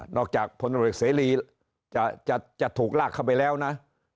นอกจากพนักวิทย์เสรีจะถูกลากเข้าไปแล้วนะ